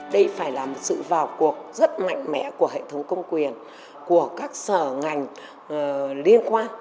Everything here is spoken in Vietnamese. đây phải là một sự vào cuộc rất mạnh mẽ của hệ thống công quyền của các sở ngành liên quan